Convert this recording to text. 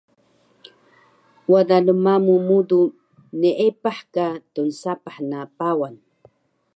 Wada lmamu mudu neepah ka tnsapah na Pawan